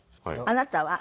あなたは？